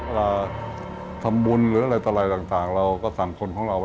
เวลาทำบุญหรืออะไรต่ออะไรต่างเราก็สั่งคนของเรา